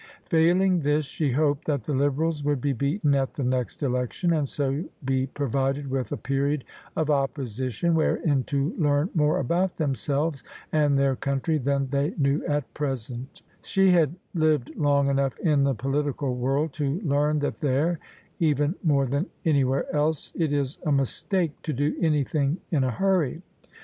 Failing this, she hoped that the Liberals would be beaten at the next Election, and so be provided with a period of Opposition wherein to learn more about them selves and their country than they knew at present She had lived long enough in the political world to learn that there— even more than anywhere else — it is a mistake to do anything in a hurry.